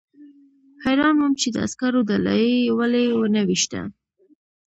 حیران وم چې د عسکرو ډله یې ولې ونه ویشته